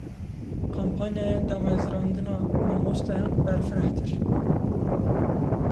Kampanyaya damezirandina mamosteyan berfirehtir.